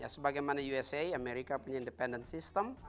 sebagai mana amerika usa punya sistem independen